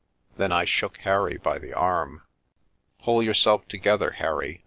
Then I shook Harry by the arm. "Pull yourself together, Harry!"